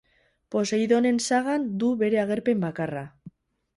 Poseidonen sagan du bere agerpen bakarra.